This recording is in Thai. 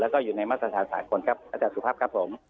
แล้วก็อยู่ในมาตรฐานสหรัฐสุภาพครับผม